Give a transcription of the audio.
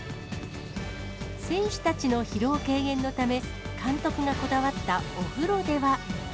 選手たちの疲労軽減のため、監督がこだわったお風呂では。